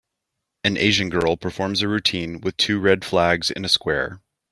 An Asian girl performs a routine with two red flags in a square.